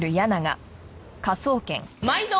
毎度！